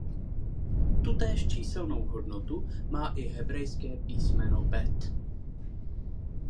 Tutéž číselnou hodnotu má i hebrejské písmeno bet.